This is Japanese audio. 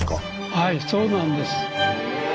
はいそうなんです。